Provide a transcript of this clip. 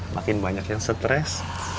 makin banyak yang stres